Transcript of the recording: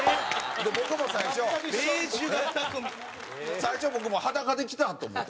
僕も最初最初僕も裸で来た？と思って。